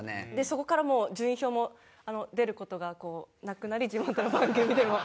そこからもう順位表も出る事がなくなり地元の番組でも。